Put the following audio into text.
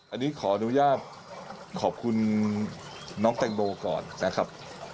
อันนี้ขออนุญาตขอบคุณน้องแตงโมก่อนนะครับ